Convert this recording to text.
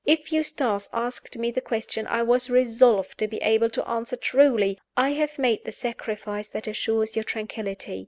If Eustace asked me the question, I was resolved to be able to answer truly: "I have made the sacrifice that assures your tranquillity.